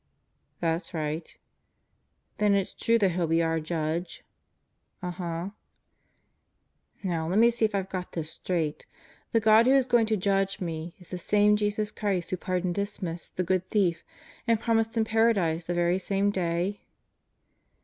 "That's right." "Then it's true that He'll be our Judge?" "Uh huh." "Now see if I've got this straight. The God who is going to judge me is the same Jesus Christ who pardoned Dismas, the Good Thief, and promised him Paradise the very same day?"